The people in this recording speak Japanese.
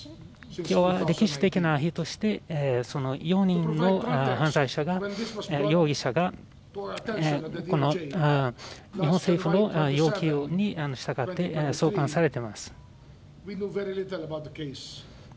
今日は歴史的な日としてその４人の犯罪者が容疑者が政府の要求に従って送還されています。